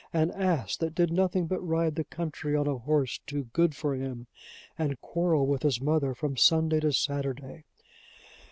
an ass that did nothing but ride the country on a horse too good for him, and quarrel with his mother from Sunday to Saturday!